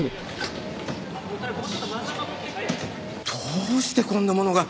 どうしてこんなものが！？